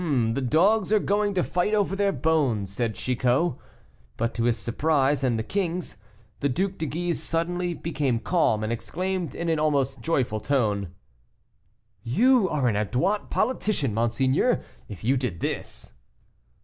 "Ah! the dogs are going to fight over their bones," said Chicot; but to his surprise, and the king's, the Duc de Guise suddenly became calm, and exclaimed, in an almost joyful tone: "You are an adroit politician, monseigneur, if you did this."